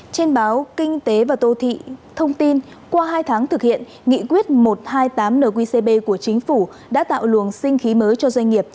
trên báo kinh tế và tô thị thông tin qua hai tháng thực hiện nghị quyết một trăm hai mươi tám nqcb của chính phủ đã tạo luồng sinh khí mới cho doanh nghiệp